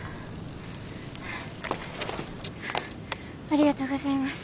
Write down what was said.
ありがとうございます。